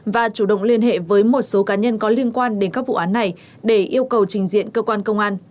và chủ động liên hệ với một số cá nhân có liên quan đến các vụ án này để yêu cầu trình diện cơ quan công an